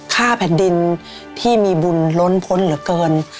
ค่าแผ่นดินที่มีบุญล้นพ้นเหลือเกิน